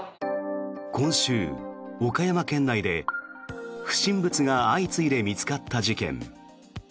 今週、岡山県内で不審物が相次いで見つかった事件。